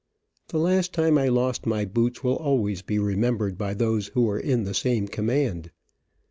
The last time I lost my boots will always be remembered by those who were in the same command.